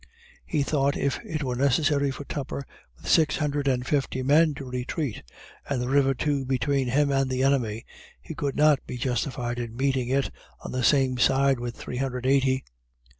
He thought if it were necessary for Tupper, with six hundred and fifty men, to retreat, and the river too between him and the enemy, he could not be justified in meeting it on the same side with three hundred and eighty.